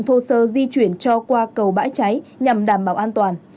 thô sơ di chuyển cho qua cầu bãi cháy nhằm đảm bảo an toàn